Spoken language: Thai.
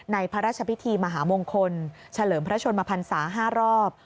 พระราชพิธีมหามงคลเฉลิมพระชนมพันศา๕รอบ